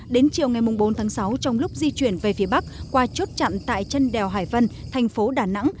đến chiều ngày bốn tháng sáu trong lúc di chuyển về phía bắc qua chốt chặn tại chân đèo hải vân thành phố đà nẵng